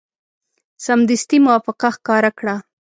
سمدستي موافقه ښکاره کړه.